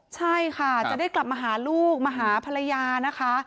ใช่ค่ะจะได้กลับมาหาลูกมาหาภรรยานะคะ